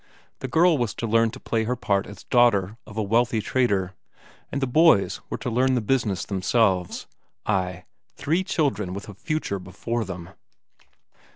The girl was to learn to play her part as daughter of a wealthy trader, and the boys were to learn the business themselves ay, three children with a future before them!